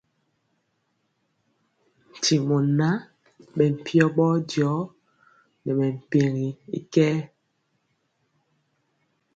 Ntimɔ ŋan, bɛ mpiɔ bɔjɔ nɛ mɛmpɛgi y kɛɛ.